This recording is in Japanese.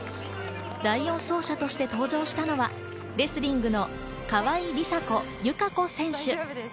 第４走者として登場したのはレスリングの川井梨紗子、友香子選手。